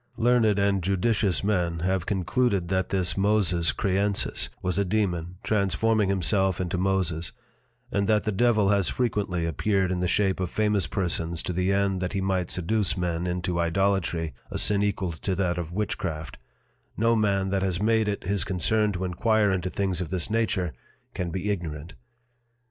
Learned and judicious Men have concluded that this Moses Creensis was a Dæmon, transforming himself into Moses: And that the Devil has frequently appeared in the shape of famous Persons to the end that he might seduce Men into Idolatry, (a Sin equal to that of Witchcraft) no Man that has made it his Concern to enquire into things of this nature can be ignorant.